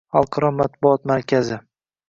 xalqaro matbuot markazi